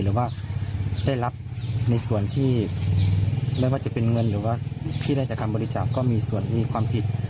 หรือว่าได้รับในส่วนที่ไม่ว่าจะเป็นเงินหรือว่าที่ได้จากคำบริจาคก็มีส่วนมีความผิด